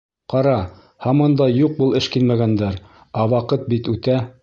Ҡара, һаман да юҡ был эшкинмәгәндәр, ә ваҡыт бит үтә.